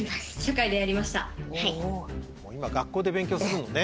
もう今学校で勉強するのね。